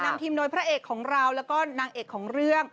นำทีมโดยพระเอกของเราแล้วก็นางเอกของเรื่อง